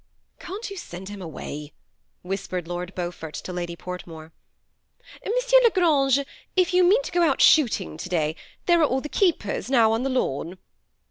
Can't yon send him away ?" whispered Lord Beaa fort to Lady Portmore. M. la Grange, if yon mean to go out shooting to day, there are all the keepers now on the lawn."